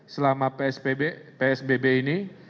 selama psbb ini